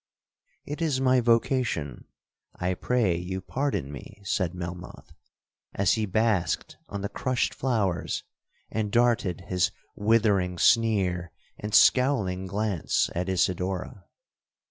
'It is my vocation—I pray you pardon me!' said Melmoth, as he basked on the crushed flowers, and darted his withering sneer and scowling glance at Isidora.